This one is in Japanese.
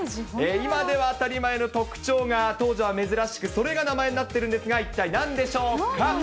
今では当たり前の特徴が、当時は珍しく、それが名前になっているんですが、一体なんでしょうか？